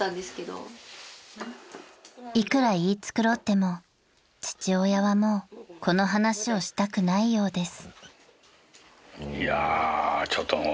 ［いくら言いつくろっても父親はもうこの話をしたくないようです］